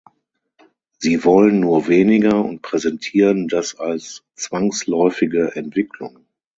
Sie wollen nur weniger und präsentieren das als zwangsläufige Entwicklung.